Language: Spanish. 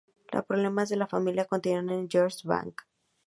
Los problemas de la familia continúan para George Banks.